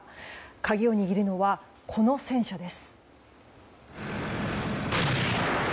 鍵を握るのは、この戦車です。